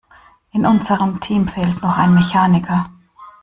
In unserem Team fehlt noch ein Mechaniker.